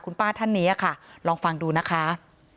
คุณป้าท่านนี้ค่ะลองฟังดูนะคะ